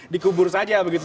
dikubur saja begitu